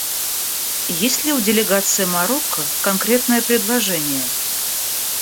Есть ли у делегации Марокко конкретное предложение?